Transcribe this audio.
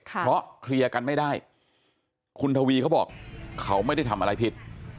เพราะเคลียร์กันไม่ได้คุณทวีเขาบอกเขาไม่ได้ทำอะไรผิด